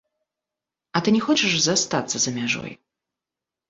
А ты не хочаш застацца за мяжой?